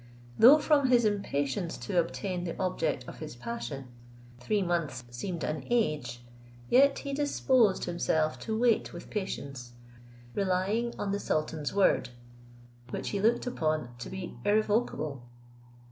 Though from his impatience to obtain the object of his passion, three months seemed an age, yet he disposed himself to wait with patience, relying on the sultan's word, which he looked upon to be irrevocable.